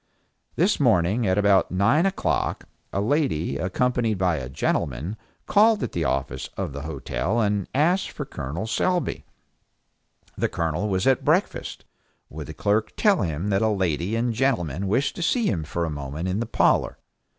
This morning at about nine o'clock, a lady, accompanied by a gentleman, called at the office of the hotel and asked for Col. Selby. The Colonel was at breakfast. Would the clerk tell him that a lady and gentleman wished to see him for a moment in the parlor?